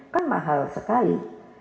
kan mahal sekali